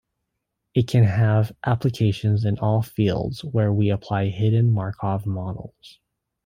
It can have applications in all fields where we apply Hidden Markov Models.